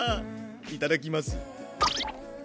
いただきます。